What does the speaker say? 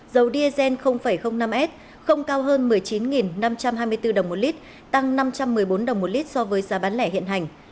dầu diesel năm s không cao hơn một mươi chín năm trăm hai mươi bốn đồng một lít tăng năm trăm một mươi bốn đồng một lít so với giá bán lẻ hiện hành